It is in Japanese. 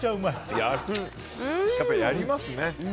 やっぱり、やりますね。